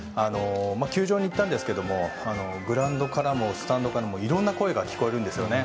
球場に行ったんですがグラウンドからもスタンドからもいろんな声が聞かれるんですよね。